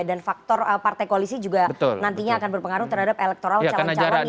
dan faktor partai koalisi juga nantinya akan berpengaruh terhadap elektoral calon calon yang diseluruhnya